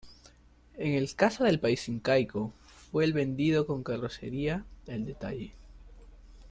En el caso del país incaico, fue vendido con carrocería El Detalle.